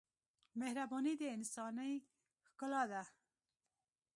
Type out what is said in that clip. مهرباني د انسانۍ ښکلا ده.